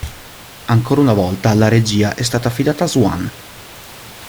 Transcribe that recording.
Ancora una volta la regia è stata affidata a Swan.